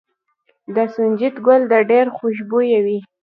د سنجد ګل ډیر خوشبويه وي.